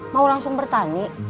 mau langsung bertani